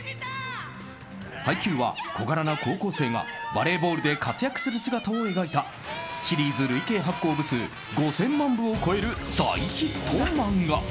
「ハイキュー！！」は小柄な高校生がバレーボールで活躍する姿を描いたシリーズ累計発行部数５０００万部を超える大ヒット漫画。